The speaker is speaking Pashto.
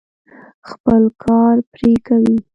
خپل کار پرې کوي.